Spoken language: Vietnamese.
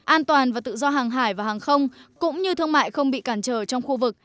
an toàn và tự do hàng hải và hàng không cũng như thương mại không bị cản trở trong khu vực